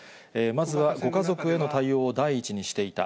まずはご家族への対応を第一にしていた。